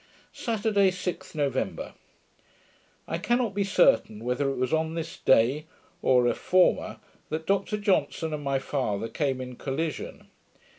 Saturday, 6th November I cannot be certain, whether it was on this day, or a former, that Dr Johnson and my father came in collision.